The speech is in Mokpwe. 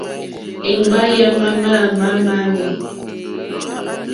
Èŋɡbâ yà má màmâ ámì.